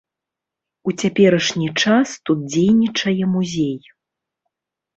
У цяперашні час тут дзейнічае музей.